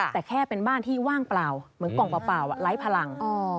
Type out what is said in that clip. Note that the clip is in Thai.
แต่แค่เป็นบ้านที่ว่างเปล่าเหมือนกล่องเปล่าไร้พลัง